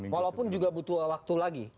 walaupun juga butuh waktu lagi